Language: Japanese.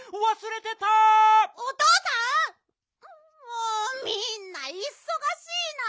もうみんないそがしいな！